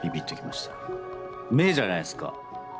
目じゃないですか。